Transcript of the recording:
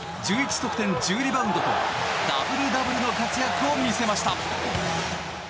得点１０リバウンドとダブルダブルの活躍を見せました。